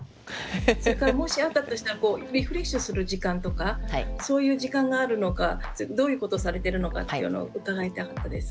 それからもしあったとしたらリフレッシュする時間とかそういう時間があるのかどういうことをされてるのかっていうのを伺いたかったです。